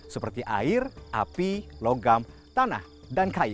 seperti air api logam tanah dan kayu